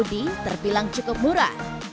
budi terbilang cukup murah